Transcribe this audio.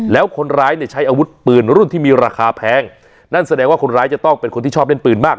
แล้วคนร้ายเนี่ยใช้อาวุธปืนรุ่นที่มีราคาแพงนั่นแสดงว่าคนร้ายจะต้องเป็นคนที่ชอบเล่นปืนมาก